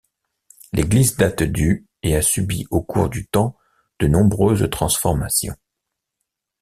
L'église date du et a subi au cours du temps de nombreuses transformations.